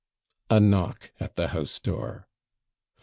A knock at the house door.